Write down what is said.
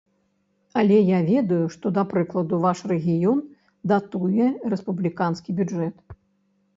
Але я ведаю, што, да прыкладу, ваш рэгіён датуе рэспубліканскі бюджэт.